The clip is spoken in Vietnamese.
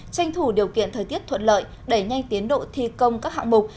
tranh thủ điều kiện thời tiết thuận lợi đẩy nhanh tiến độ thi công các hạng mục